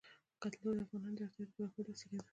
کلتور د افغانانو د اړتیاوو د پوره کولو وسیله ده.